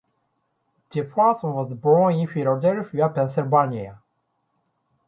Jefferson was born in Philadelphia, Pennsylvania.